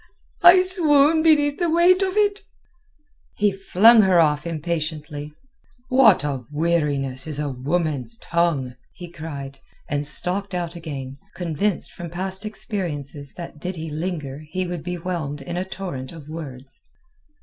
I swoon beneath the weight of it." He flung her off impatiently. "What a weariness is a woman's tongue!" he cried, and stalked out again, convinced from past experiences that did he linger he would be whelmed in a torrent of words.